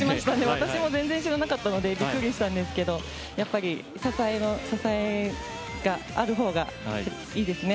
私も全然知らなかったのでびっくりしたんですが支えがある方がいいですね。